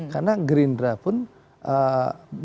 karena gerindra pun membahasnya pak fadli